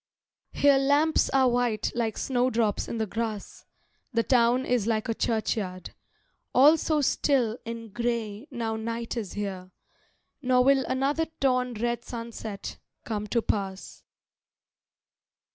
Here lamps are white like snowdrops in the grass; The town is like a churchyard, all so still And grey now night is here; nor will Another torn red sunset come to pass.